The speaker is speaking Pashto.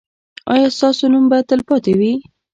ایا ستاسو نوم به تلپاتې وي؟